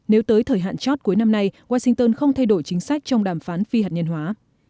nếu tới thời hạn chót cuối năm nay washington không thay đổi chính sách trong đàm phán phi hạt nhân hóa